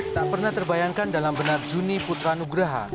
tak pernah terbayangkan dalam benak juni putra nugraha